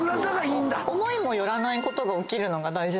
思いも寄らないことが起きるのが大事なんです。